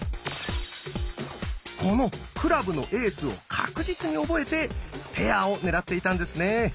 このクラブのエースを確実に覚えてペアを狙っていたんですね。